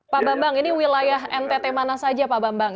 pak bambang ini wilayah ntt mana saja pak bambang